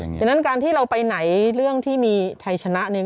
อย่างนั้นการที่เราไปไหนเรื่องที่มีไทยชนะหนึ่ง